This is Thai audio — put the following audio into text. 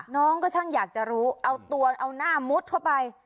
น้องก็ช่างอยากจะรู้เอาตัวเอาหน้ามุดเข้าไป